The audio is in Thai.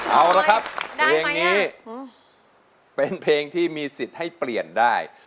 เอาละครับเพลงนี้เป็นเพลงที่มีสิทธิ์ให้เปลี่ยนได้